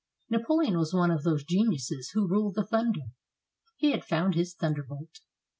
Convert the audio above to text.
Napoleon was one of those geniuses who rule the thunder. He had found his thunderbolt.